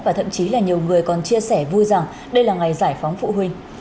và thậm chí là nhiều người còn chia sẻ vui rằng đây là ngày giải phóng phụ huynh